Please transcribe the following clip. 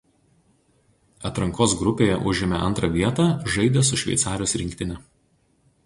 Atrankos grupėje užėmę antrą vietą žaidė su Šveicarijos rinktine.